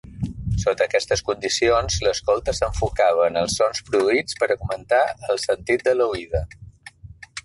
Sota aquestes condicions, l’escolta s'enfocava en els sons produïts per augmentar el sentit de l'oïda.